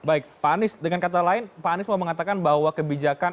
baik pak anies dengan kata lain pak anies mau mengatakan bahwa kebijakan